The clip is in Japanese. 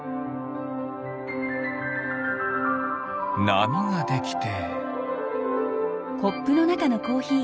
なみができて。